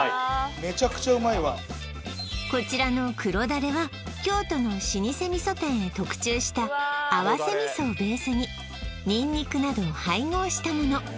めちゃくちゃうまいわこちらの黒ダレは京都の老舗味噌店へ特注した合わせ味噌をベースにニンニクなどを配合したもの